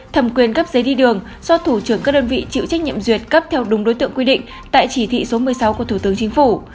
thẩm quyền cấp giấy đi đường do thủ trưởng các đơn vị chịu trách nhiệm duyệt cấp theo đúng đối tượng quy định tại chỉ thị số một mươi sáu của thủ tướng chính phủ